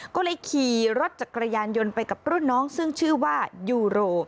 ก็เลยขี่รถจักรยานยนต์ไปกับรุ่นน้องซึ่งชื่อว่ายูโร